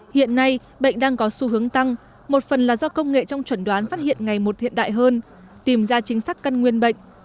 hiện nay bệnh đang có xu hướng tăng một phần là do công nghệ trong chuẩn đoán phát hiện ngày một hiện đại hơn tìm ra chính xác căn nguyên bệnh